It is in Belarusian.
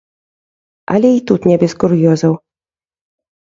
Але і тут не без кур'ёзаў.